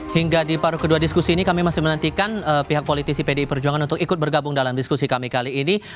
hingga di paruh kedua diskusi ini kami masih menantikan pihak politisi pdi perjuangan untuk ikut bergabung dalam diskusi kami kali ini